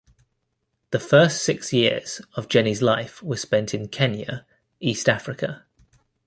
The first six years of Jenny's life were spent in Kenya, East Africa.